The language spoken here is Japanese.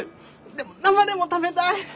でも生でも食べたい！